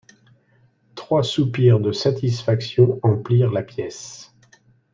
Trois soupirs de satisfaction emplirent la pièce.